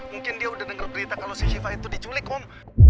mungkin dia udah denger berita kalau si syifa itu diculik kok